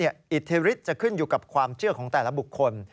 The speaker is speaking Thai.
อิทธิฤทธิจะขึ้นอยู่กับความเชื่อของแต่ละบุคคล